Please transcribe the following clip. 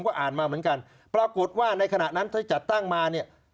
ก็อ่านมาเหมือนกันปรากฏว่าในขณะนั้นถ้าจัดตั้งมาเนี่ย